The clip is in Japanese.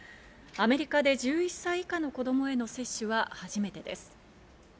アメリカで１１歳以下の子供への接種は初めてです。